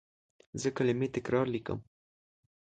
زه کلمې تکرار لیکم.